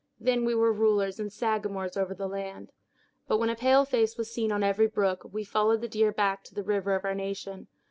Then we were rulers and Sagamores over the land. But when a pale face was seen on every brook, we followed the deer back to the river of our nation.